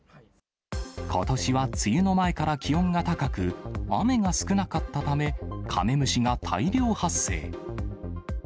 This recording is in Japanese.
ことしは梅雨の前から気温が高く、雨が少なかったため、カメムシが大量発生。